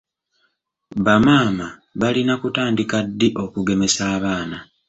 Bamaama balina kutandika ddi okugemesa abaana?